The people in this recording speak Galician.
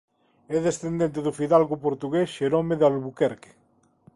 É descendente do fidalgo portugués Xerome de Albuquerque.